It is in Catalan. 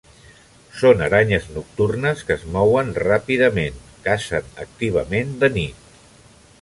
Són aranyes nocturnes que es mouen ràpidament; cacen activament de nit.